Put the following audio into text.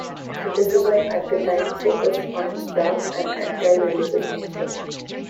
Criticism at that time focused on its dark and antireligious nature.